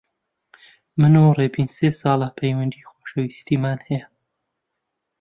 من و ڕێبین سێ ساڵە پەیوەندیی خۆشەویستیمان هەیە.